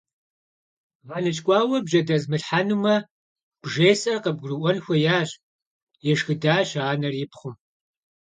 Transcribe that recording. ГъэныщкӀуауэ бжьэдэзмылъхьэнумэ, бжесӀар къыбгурыӀуэн хуеящ, – ешхыдащ анэр и пхъум.